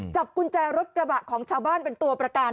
จับกุญแจรถกระบะของชาวบ้านเป็นตัวประกัน